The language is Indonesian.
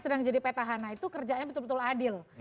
sedang jadi petahana itu kerjanya betul betul adil